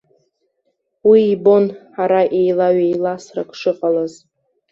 Уи ибон ара еилаҩеиласрак шыҟалаз.